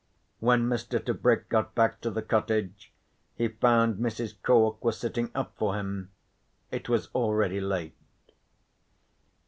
When Mr. Tebrick got back to the cottage he found Mrs. Cork was sitting up for him. It was already late.